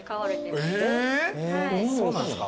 そうなんですか？